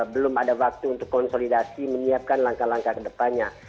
belum ada waktu untuk konsolidasi menyiapkan langkah langkah ke depannya